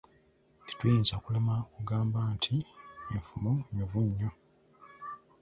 Tetuyinza kulema kugamba nti enfumo nnyuvu nnyo.